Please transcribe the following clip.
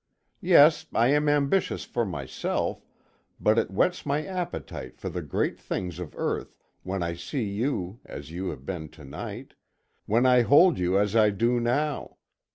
Yes, I am ambitious for myself, but it whets my appetite for the great things of earth, when I see you as you have been to night, when I hold you as I do now.